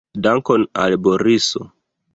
Dankon al Boriso!